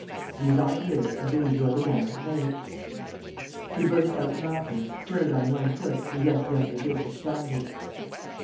And, as I live, I believe you're the man to play it!" He burst out laughing, turned on one foot and left young Leduc astounded.